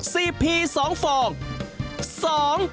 ซีพี๒ฟอง